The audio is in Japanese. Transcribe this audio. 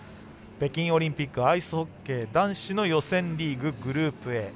北京オリンピックアイスホッケー男子の予選リーグ、グループＡ。